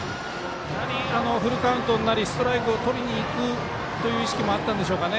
フルカウントになりストライクをとりにいくという意識もあったんでしょうかね。